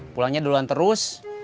pulangnya duluan terus